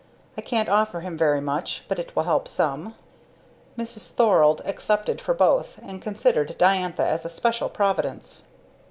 I can't offer him very much, but it will help some." Mrs. Thorald accepted for both, and considered Diantha as a special providence.